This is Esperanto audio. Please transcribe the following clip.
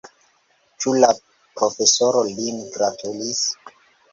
Ĉu la profesoro lin gratulis?